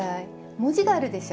文字があるでしょう？